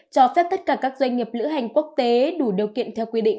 cho phép tất cả các doanh nghiệp lữ hành quốc tế đủ điều kiện theo quy định